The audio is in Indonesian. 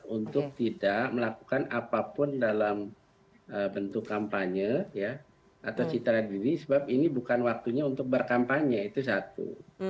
untuk tidak melakukan apapun dalam bentuk kampanye atau citra diri sebab ini bukan waktunya untuk berkampanye itu satu